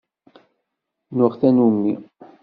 Nuɣ tannummi.